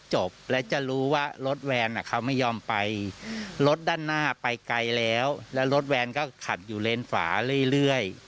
เจตนาไปไกลแล้วรถแวนก็ขับอยู่เรนฝาเรื่อย